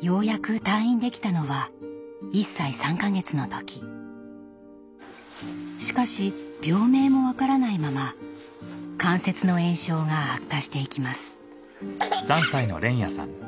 ようやく退院できたのは１歳３か月の時しかし病名も分からないまま関節の炎症が悪化して行きますアハハ！